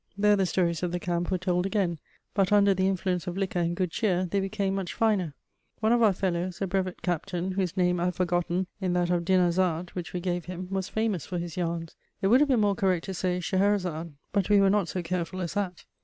There the stories of the camp were told again; but under the influence of liquor and good cheer they became much finer. One of our fellows, a brevet captain, whose name I have forgotten in that of "Dinarzade" which we gave him, was famous for his yarns; it would have been more correct to say "Scheherazade," but we were not so careful as that.